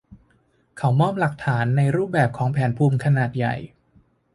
เขามอบหลักฐานในรูปแบบของแผนภูมิขนาดใหญ่